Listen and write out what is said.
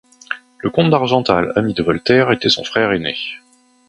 Le comte d'Argental, ami de Voltaire, était son frère aîné.